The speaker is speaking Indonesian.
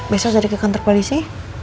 besok dari ke kantor polisi